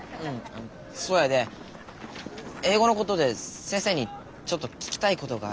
あのそやで英語のことで先生にちょっと聞きたいことがあるんやけど。